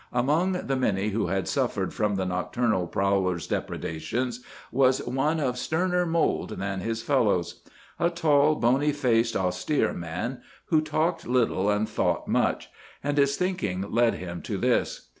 Among the many who had suffered from the nocturnal prowler's depredations was one of sterner mould than his fellows. A tall, bony faced, austere man, who talked little and thought much. And his thinking led him to this.